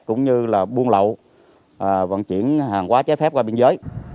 cũng như buôn lậu vận chuyển hàng quá trái phép qua biên giới